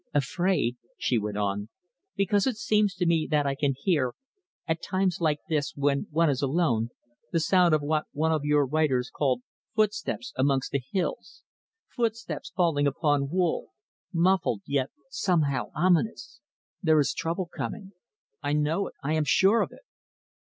"Afraid," she went on, "because it seems to me that I can hear, at times like this, when one is alone, the sound of what one of your writers called footsteps amongst the hills, footsteps falling upon wool, muffled yet somehow ominous. There is trouble coming. I know it. I am sure of it."